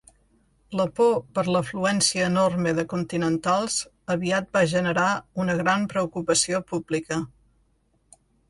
La por per l'afluència enorme de continentals aviat va generar una gran preocupació pública.